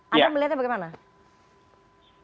anda melihatnya bagaimana